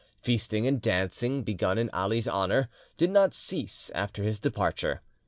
Feasting and dancing, begun in Ali's honour, did not cease after his departure.